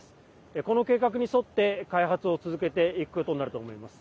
この計画に沿って、開発を続けていくことになると思います。